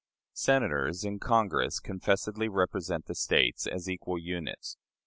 Senators in Congress confessedly represent the States as equal units.